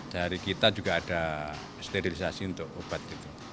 dari kita juga ada sterilisasi untuk obat